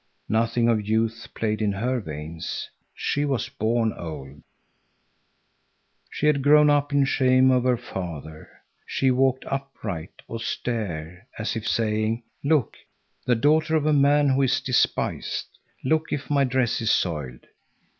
Nothing of youth played in her veins. She was born old. She had grown up in shame of her father. She walked upright, austere, as if saying: "Look, the daughter of a man who is despised! Look if my dress is soiled!